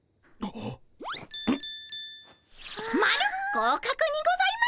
合格にございます。